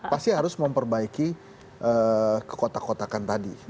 pasti harus memperbaiki kekotak kotakan tadi